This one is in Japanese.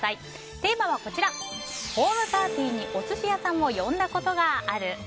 テーマはホームパーティーにお寿司屋さんを呼んだことがある。